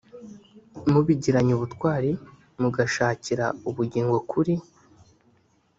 mubigiranye ubutwari mugashakira ubuhungiro kuri